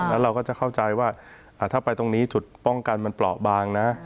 แล้วเราก็จะเข้าใจว่าถ้าไปตรงนี้จุดป้องกันมันเปราะบางนะ